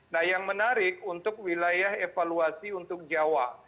nah yang menarik untuk wilayah evaluasi untuk jawa